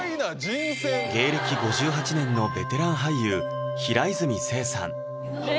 芸歴５８年のベテラン俳優平泉成さんえ！